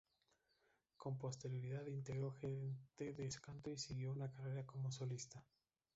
Con posterioridad integró Gente de Canto y siguió una carrera como solista.